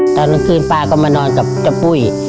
ตอนกลางคืนป้าก็มานอนกับเจ้าปุ้ย